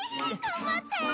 頑張って。